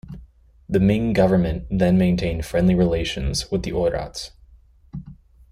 The Ming government then maintained friendly relations with the Oirats.